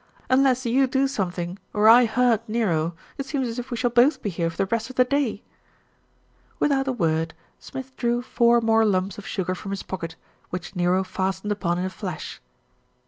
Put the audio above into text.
"Unless you do some thing, or I hurt Nero, it seems as if we shall both be here for the rest of the day." Without a word, Smith drew four more lumps of sugar from his pocket, which Nero fastened upon in a flash.